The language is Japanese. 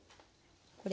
これ。